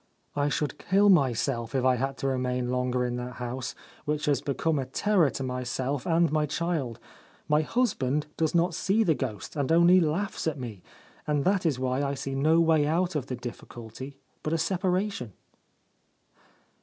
I should kill myself if I had to remain longer in that house, which has become a terror to myself and my child. My husband does not see the ghost, and only laughs at me ; and that is why I see no way out of the difficulty but a separation.'